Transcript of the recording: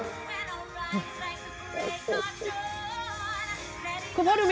สักเหมือนน้ำมน